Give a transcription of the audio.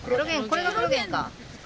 これがクロゲンか。